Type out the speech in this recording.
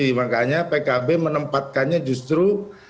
jadi makanya pkb menempatkannya justru